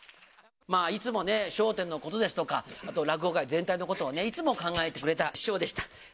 いつもね、笑点のことですとか、あと落語界全体のことをいつも考えてくれた師匠でした。